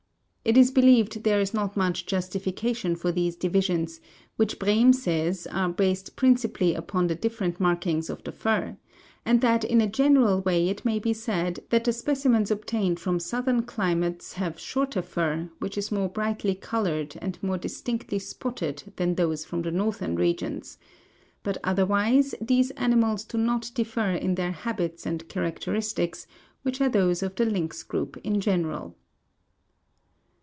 It is believed there is not much justification for these divisions, which Brehm says are based principally upon the different markings of the fur, and that in a general way it may be said that the specimens obtained from southern climates have shorter fur, which is more brightly colored and more distinctly spotted than those from the northern regions; but otherwise these animals do not differ in their habits and characteristics, which are those of the lynx group in general.